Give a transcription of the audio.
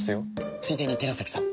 ついでに寺崎さんも。